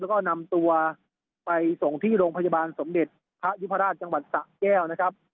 แล้วก็นำตัวไปส่งที่โรงพยาบาลสมเด็จพระยุพราชจังหวัดสะแก้วนะครับ